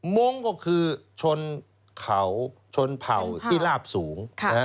มงค์ก็คือชนเขาชนเผ่าที่ลาบสูง